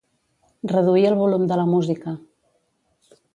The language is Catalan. Reduir el volum de la música.